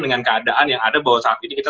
dengan keadaan yang ada bahwa saat ini kita